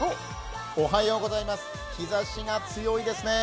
日ざしが強いですね。